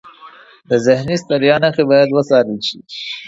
د ذهني ستړیا نښې باید وڅارل شي.